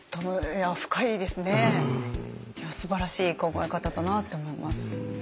すばらしい考え方だなって思います。